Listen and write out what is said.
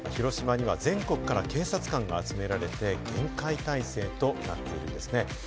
広島には全国から警察官が集められて、厳重警戒態勢となっています。